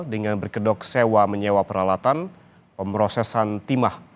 dengan berkedok sewa menyewa peralatan pemrosesan timah